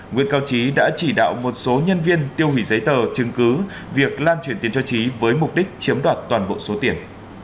nguyễn cao trí đã chỉ đạo một số nhân viên tiêu hủy giấy tờ chứng cứ việc lan chuyển tiền cho trí với mục đích chiếm đoạt toàn bộ số tiền